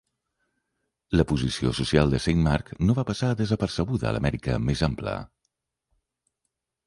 La posició social de Saint Mark no va passar desapercebuda a l'Amèrica més ampla.